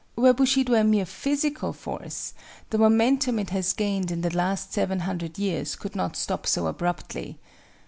Were Bushido a mere physical force, the momentum it has gained in the last seven hundred years could not stop so abruptly.